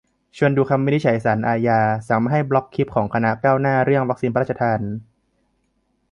ชวนดูคำวินิจฉัยศาลอาญา สั่งไม่ให้บล็อกคลิปของคณะก้าวหน้าเรื่องวัคซีนพระราชทาน